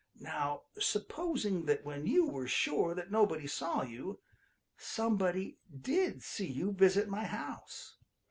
Now supposing that when you were sure that nobody saw you, somebody did see you visit my house.